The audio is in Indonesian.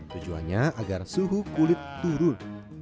tujuannya agar suhu kulit turun